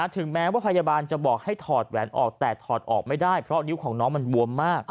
ถึงแม้ว่าพยาบาลจะบอกให้ถอดแหวนออกแต่ถอดออกไม่ได้เพราะนิ้วของน้องมันบวมมาก